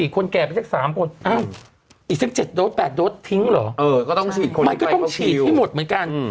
คนแก่ไปจาก๓คนอ้าวอีกซัก๗๘โดสทิ้งหรอมันก็ต้องฉีดให้หมดเหมือนกัน